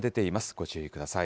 ご注意ください。